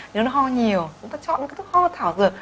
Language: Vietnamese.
nếu nó hô nhiều chúng ta chọn những cái thuốc hô thảo dược